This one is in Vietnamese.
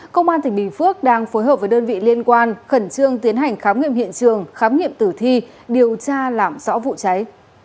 công an tỉnh bình phước đang phối hợp với đơn vị liên quan khẩn trương tiến hành khám nghiệm hiện trường khám nghiệm tử thi điều tra làm rõ vụ cháy